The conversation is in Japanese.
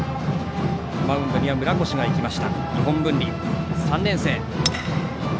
マウンドには村越が行きました日本文理、３年生。